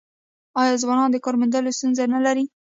آیا ځوانان د کار موندلو ستونزه نلري؟